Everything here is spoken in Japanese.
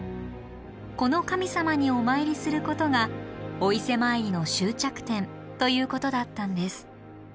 この神様にお参りすることがお伊勢参りの終着点ということだったんです。